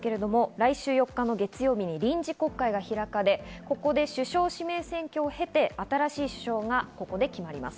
来週４日の月曜日に臨時国会が開かれ、ここで首相指名選挙を経て新しい首相がここで決まります。